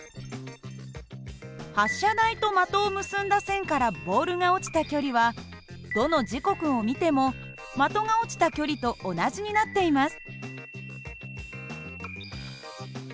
発射台と的を結んだ線からボールが落ちた距離はどの時刻を見ても的が落ちた距離と同じになっています。